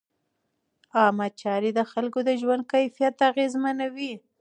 عامه چارې د خلکو د ژوند کیفیت اغېزمنوي.